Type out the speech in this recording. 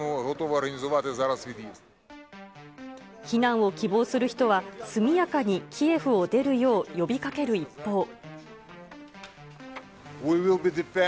避難を希望する人は、速やかにキエフを出るよう呼びかける一方。